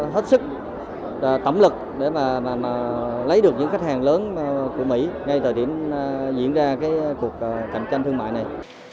hết sức tổng lực để mà lấy được những khách hàng lớn của mỹ ngay thời điểm diễn ra cuộc cạnh tranh thương mại này